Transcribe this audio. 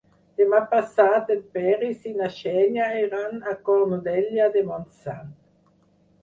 Demà passat en Peris i na Xènia iran a Cornudella de Montsant.